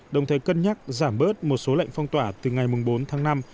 đồng thời cân nhắc giảm bớt một số lệnh phong tỏa từ ngày bốn tháng năm